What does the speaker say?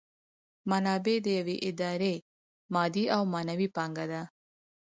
منابع د یوې ادارې مادي او معنوي پانګه ده.